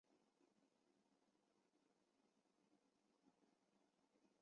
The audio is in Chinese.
帕克出生在俄亥俄州奈尔森维尔是一名企业家兼记者。